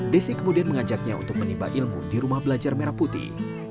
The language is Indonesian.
desi kemudian mengajaknya untuk menimba ilmu di rumah belajar merah putih